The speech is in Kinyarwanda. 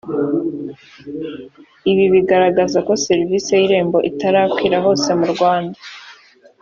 ibi bigaragaza ko serivisi y irembo itarakwira hose mu rwanda